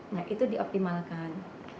nah itu dioptimalkan